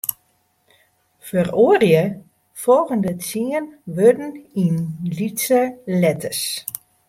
Feroarje folgjende tsien wurden yn lytse letters.